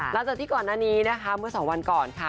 หลังจากที่ก่อนหน้านี้นะคะเมื่อสองวันก่อนค่ะ